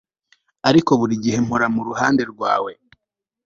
Ariko buri gihe mpora muruhande rwawe